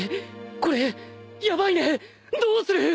これヤバいねどうする！？